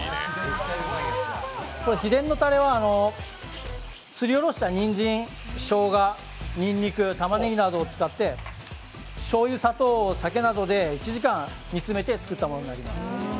秘伝のたれは、すりおろした、にんじん、しょうが、にんにく、たまねぎなどを使ってしょうゆ、砂糖、酒などで１時間煮詰めて作ったものになります。